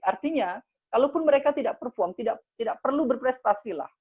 artinya kalaupun mereka tidak perform tidak perlu berprestasi lah